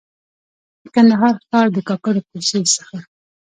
د کندهار ښار د کاکړو کوڅې څخه.